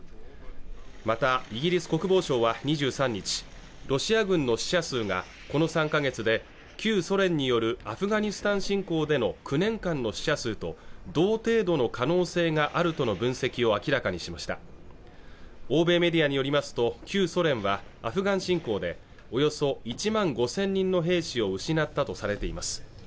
またイギリス国防省は２３日ロシア軍の死者数がこの３か月で旧ソ連によるアフガニスタン侵攻での９年間の死者数と同程度の可能性があるとの分析を明らかにしました欧米メディアによりますと旧ソ連はアフガン侵攻でおよそ１万５０００人の兵士を失ったとされています